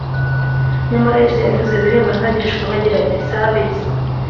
nyamara yesu yavuze ibirebana n abigishwa be agira ati si ab isi